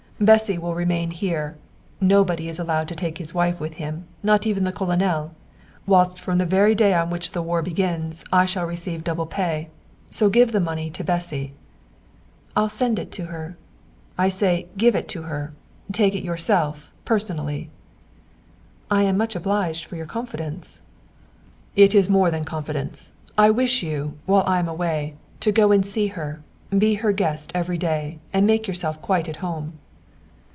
Bessy will remain here. Nobody is allowed to take his wife with him, not even the Colonel; whilst from the very day on which the war begins I shall receive double pay. So give the money to Bessy." "I'll send it to her." "I say give it to her. Take it yourself personally." "I am much obliged for your confidence." "It is more than confidence. I wish you, while I am away, to go and see her: be her guest every day, and make yourself quite at home."